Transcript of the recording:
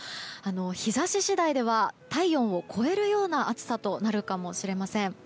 日差し次第では体温を超えるような暑さとなるかもしれません。